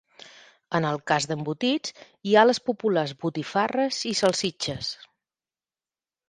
En el cas d'embotits hi ha les populars botifarres i salsitxes.